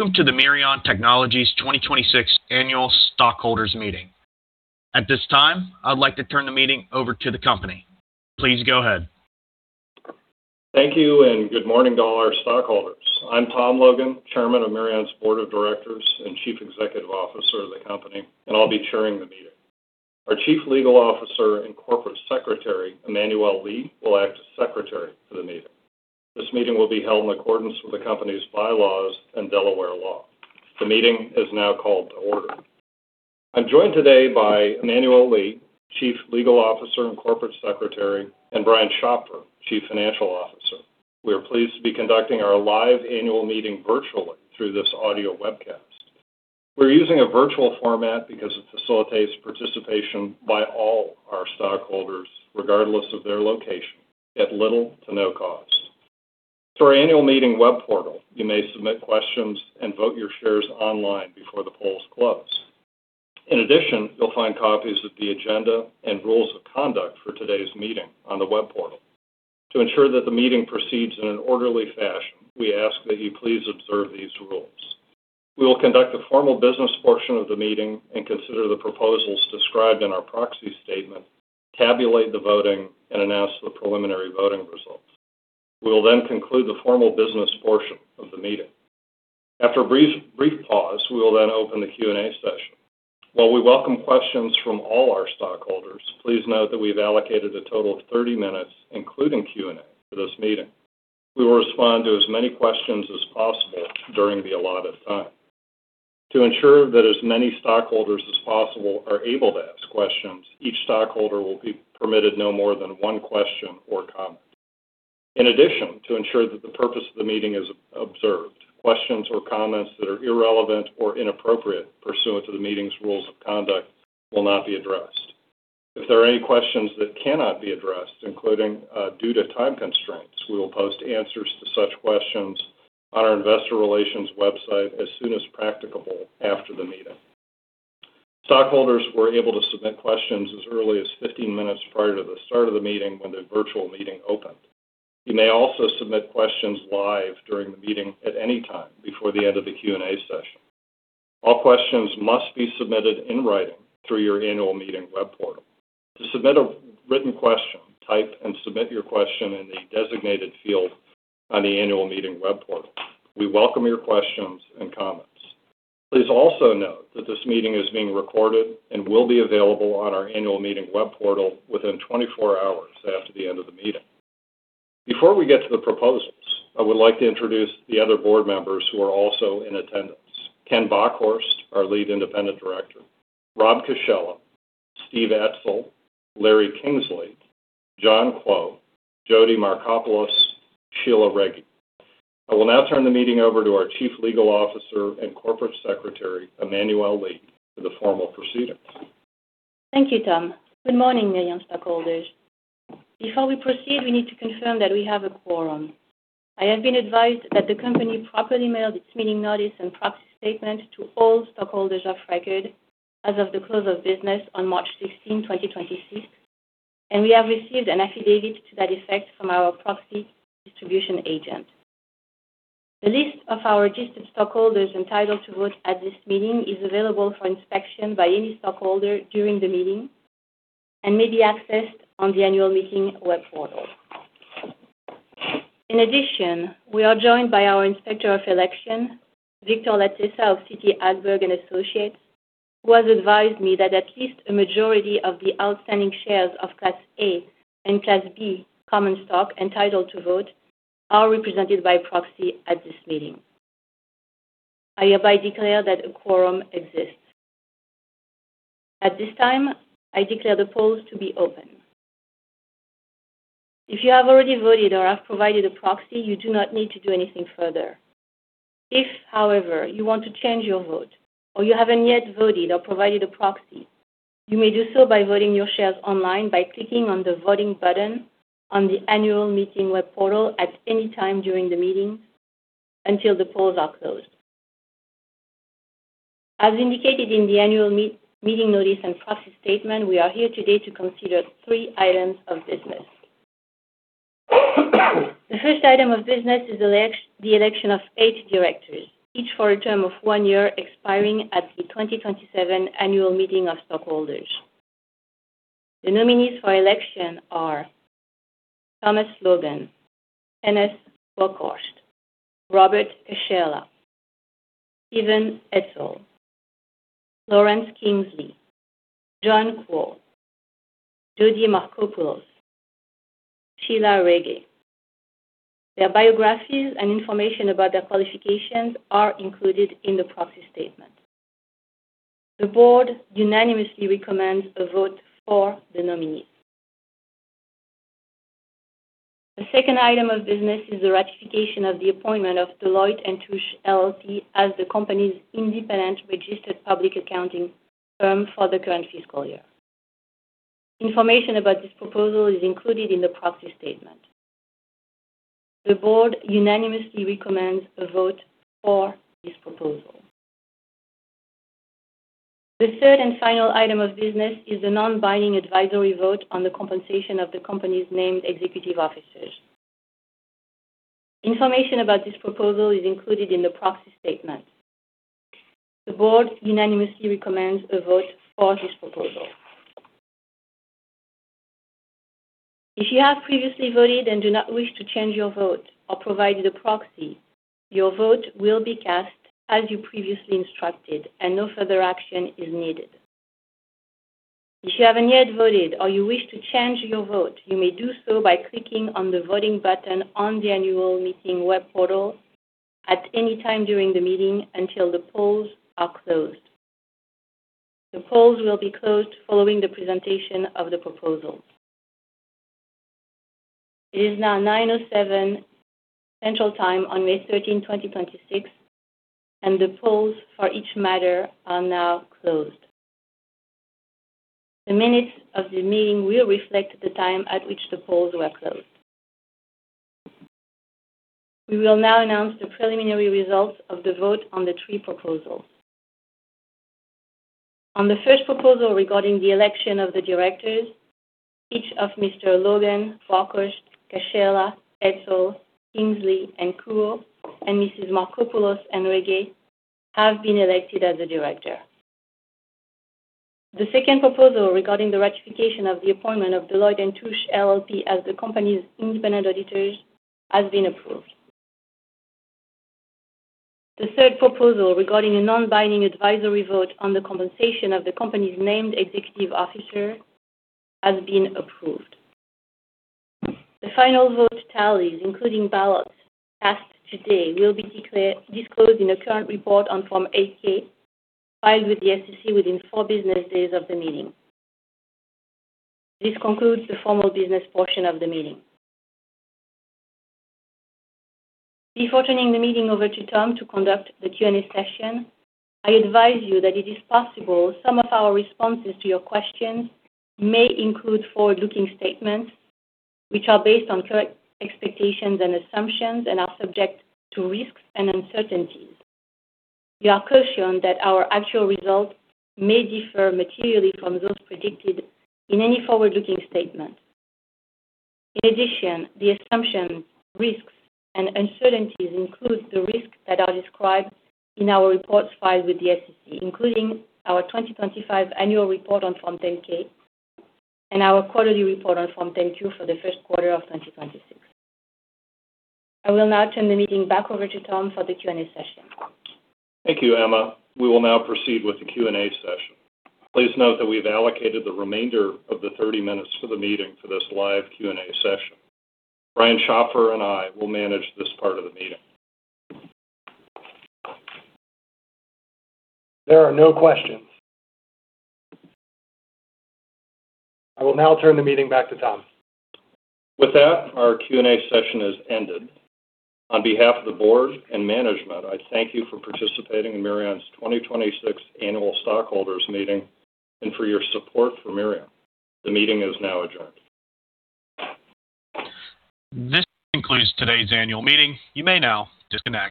Welcome to the Mirion Technologies 2026 annual stockholders meeting. At this time, I'd like to turn the meeting over to the company. Please go ahead. Thank you. Good morning to all our stockholders. I'm Tom Logan, Chairman of Mirion's Board of Directors and Chief Executive Officer of the company, and I'll be chairing the meeting. Our Chief Legal Officer and Corporate Secretary, Emmanuelle Lee, will act as secretary for the meeting. This meeting will be held in accordance with the company's bylaws and Delaware law. The meeting is now called to order. I'm joined today by Emmanuelle Lee, Chief Legal Officer and Corporate Secretary, and Brian Schopfer, Chief Financial Officer. We are pleased to be conducting our live annual meeting virtually through this audio webcast. We're using a virtual format because it facilitates participation by all our stockholders, regardless of their location, at little to no cost. Through our annual meeting web portal, you may submit questions and vote your shares online before the polls close. In addition, you'll find copies of the agenda and rules of conduct for today's meeting on the web portal. To ensure that the meeting proceeds in an orderly fashion, we ask that you please observe these rules. We will conduct a formal business portion of the meeting and consider the proposals described in our Proxy Statement, tabulate the voting, and announce the preliminary voting results. We will then conclude the formal business portion of the meeting. After a brief pause, we will then open the Q&A session. While we welcome questions from all our stockholders, please note that we've allocated a total of 30 minutes, including Q&A, for this meeting. We will respond to as many questions as possible during the allotted time. To ensure that as many stockholders as possible are able to ask questions, each stockholder will be permitted no more than one question or comment. In addition, to ensure that the purpose of the meeting is observed, questions or comments that are irrelevant or inappropriate pursuant to the meeting's rules of conduct will not be addressed. If there are any questions that cannot be addressed, including due to time constraints, we will post answers to such questions on our investor relations website as soon as practicable after the meeting. Stockholders were able to submit questions as early as 15 minutes prior to the start of the meeting when the virtual meeting opened. You may also submit questions live during the meeting at any time before the end of the Q&A session. All questions must be submitted in writing through your annual meeting web portal. To submit a written question, type and submit your question in the designated field on the annual meeting web portal. We welcome your questions and comments. Please also note that this meeting is being recorded and will be available on our annual meeting web portal within 24 hours after the end of the meeting. Before we get to the proposals, I would like to introduce the other board members who are also in attendance. Kenneth C. Bockhorst, our Lead Independent Director, Robert A. Cascella, Steven W. Etzel, Lawrence D. Kingsley, John W. Kuo, Jody A. Markopoulos, Sheila Rege. I will now turn the meeting over to our Chief Legal Officer and Corporate Secretary, Emmanuelle Lee, for the formal proceedings. Thank you, Tom. Good morning, Mirion stockholders. Before we proceed, we need to confirm that we have a quorum. I have been advised that the company properly mailed its meeting notice and proxy statement to all stockholders of record as of the close of business on March 16, 2026, and we have received an affidavit to that effect from our proxy distribution agent. The list of our registered stockholders entitled to vote at this meeting is available for inspection by any stockholder during the meeting and may be accessed on the annual meeting web portal. In addition, we are joined by our Inspector of Election, Victor Latessa of CT Hagberg & Associates, who has advised me that at least a majority of the outstanding shares of Class A and Class B common stock entitled to vote are represented by proxy at this meeting. I hereby declare that a quorum exists. At this time, I declare the polls to be open. If you have already voted or have provided a proxy, you do not need to do anything further. If, however, you want to change your vote or you haven't yet voted or provided a proxy, you may do so by voting your shares online by clicking on the Voting button on the annual meeting web portal at any time during the meeting until the polls are closed. As indicated in the annual meeting notice and proxy statement, we are here today to consider three items of business. The first item of business is the election of eight directors, each for a term of one year, expiring at the 2027 annual meeting of stockholders. The nominees for election are Thomas Logan, Kenneth Bockhorst, Robert Cascella, Steven Etzel, Lawrence Kingsley, John Kuo, Jody Markopoulos, Sheila Rege. Their biographies and information about their qualifications are included in the proxy statement. The board unanimously recommends a vote for the nominees. The second item of business is the ratification of the appointment of Deloitte & Touche LLP as the company's independent registered public accounting firm for the current fiscal year. Information about this proposal is included in the proxy statement. The board unanimously recommends a vote for this proposal. The third and final item of business is the non-binding advisory vote on the compensation of the company's named executive officers. Information about this proposal is included in the proxy statement. The board unanimously recommends a vote for this proposal. If you have previously voted and do not wish to change your vote or provide the proxy, your vote will be cast as you previously instructed and no further action is needed. If you haven't yet voted or you wish to change your vote, you may do so by clicking on the voting button on the annual meeting web portal at any time during the meeting until the polls are closed. The polls will be closed following the presentation of the proposal. It is now 9:07 A.M. Central Time on May 13th, 2026, and the polls for each matter are now closed. The minutes of the meeting will reflect the time at which the polls were closed. We will now announce the preliminary results of the vote on the three proposals. On the first proposal regarding the election of the directors, each of Mr. Logan, Bockhorst, Cascella, Etzel, Kingsley, and Kuo, and Mrs. Markopoulos and Rege have been elected as a director. The second proposal regarding the ratification of the appointment of Deloitte & Touche LLP as the company's independent auditors has been approved. The third proposal regarding a non-binding advisory vote on the compensation of the company's named executive officer has been approved. The final vote tallies, including ballots cast today, will be disclosed in a current report on Form 8-K filed with the SEC within four business days of the meeting. This concludes the formal business portion of the meeting. Before turning the meeting over to Tom to conduct the Q&A session, I advise you that it is possible some of our responses to your questions may include forward-looking statements which are based on current expectations and assumptions and are subject to risks and uncertainties. You are cautioned that our actual results may differ materially from those predicted in any forward-looking statement. In addition, the assumptions, risks, and uncertainties include the risks that are described in our reports filed with the SEC, including our 2025 annual report on Form 10-K and our quarterly report on Form 10-Q for the 1st quarter of 2026. I will now turn the meeting back over to Tom for the Q&A session. Thank you, Emma. We will now proceed with the Q&A session. Please note that we've allocated the remainder of the 30 minutes for the meeting for this live Q&A session. Brian Schopfer and I will manage this part of the meeting. There are no questions. I will now turn the meeting back to Tom. With that, our Q&A session has ended. On behalf of the board and management, I thank you for participating in Mirion's 2026 annual stockholders meeting and for your support for Mirion. The meeting is now adjourned. This concludes today's annual meeting. You may now disconnect.